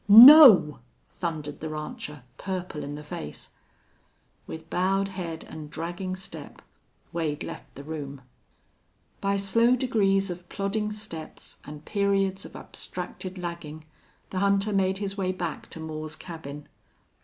"No!" thundered the rancher, purple in the face. With bowed head and dragging step Wade left the room. By slow degrees of plodding steps, and periods of abstracted lagging, the hunter made his way back to Moore's cabin.